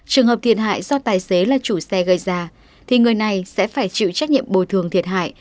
trường hợp thiệt hại do tài xế là chủ xe gây ra thì người này sẽ phải chịu trách nhiệm bồi thường thiệt hại